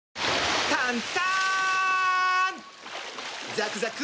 ザクザク！